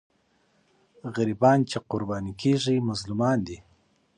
غریبان چې قرباني کېږي، مظلومان دي.